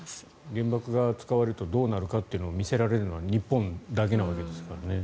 原爆が使われるとどうなるかを見せられるのは日本だけなわけですからね。